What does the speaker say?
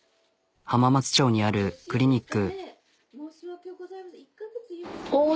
浜松町にあるクリニック。